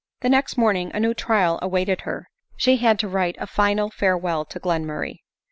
The next morning a new trial awaited her ; she had to write a final farewell to Glenmurray.